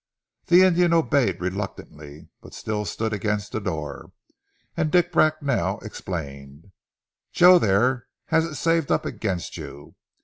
The Indian obeyed reluctantly, but still stood against the door, and Dick Bracknell explained. "Joe there has it saved up against you.